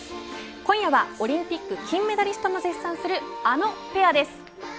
今夜はオリンピック金メダリストが絶賛するあのペアです。